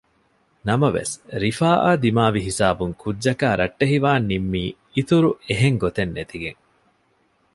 ނަމަވެސް ރިފާއާ ދިމާވި ހިސާބުން ކުއްޖަކާ ރައްޓެހިވާން ނިންމީ އިތުރު އެހެން ގޮތެއް ނެތިގެން